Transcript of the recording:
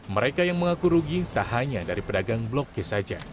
mereka yang mengaku rugi tak hanya dari pedagang blok g saja